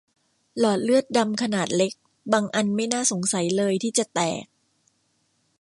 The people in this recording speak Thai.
หลอดเลือดดำขนาดเล็กบางอันไม่น่าสงสัยเลยที่จะแตก